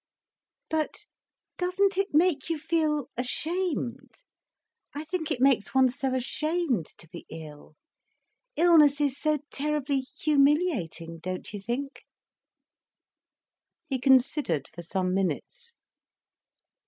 "But doesn't it make you feel ashamed? I think it makes one so ashamed, to be ill—illness is so terribly humiliating, don't you think?" He considered for some minutes.